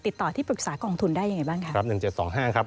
ติดต่อที่ปรึกษากองทุนได้อย่างไรบ้างครับ